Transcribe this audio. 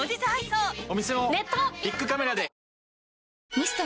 ミスト？